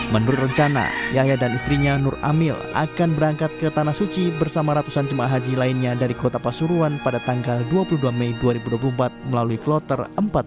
menurut rencana yahya dan istrinya nur amil akan berangkat ke tanah suci bersama ratusan jemaah haji lainnya dari kota pasuruan pada tanggal dua puluh dua mei dua ribu dua puluh empat melalui kloter empat puluh lima